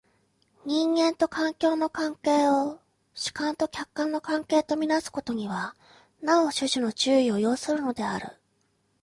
人間と環境の関係を主観と客観の関係と看做すことにはなお種々の注意を要するのである。